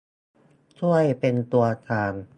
ช่วยเป็นตัวกลาง